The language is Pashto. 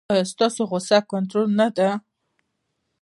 ایا ستاسو غوسه کنټرول نه ده؟